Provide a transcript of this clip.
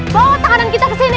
bawa tangan kita kesini